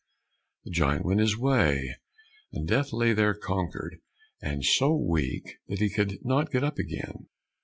The giant went his way, and Death lay there conquered, and so weak that he could not get up again.